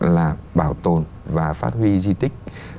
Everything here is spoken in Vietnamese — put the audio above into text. là bảo tồn và phát huy di tích